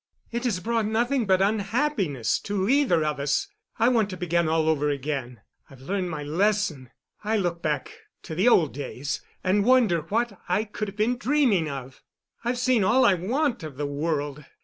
It has brought nothing but unhappiness to either of us. I want to begin all over again. I've learned my lesson. I look back to the old days and wonder what I could have been dreaming of. I've seen all I want of the world.